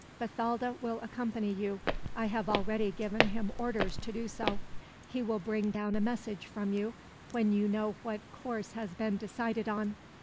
"Bathalda will accompany you. I have already given him orders to do so. He will bring down a message from you, when you know what course has been decided on."